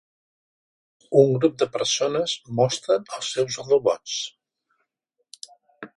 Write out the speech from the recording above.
Un grup de persones mostren els seus robots.